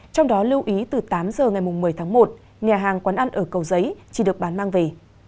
trong đó lưu ý từ tám giờ ngày một mươi tháng một nhà hàng quán ăn ở cầu giấy chỉ được bán mang về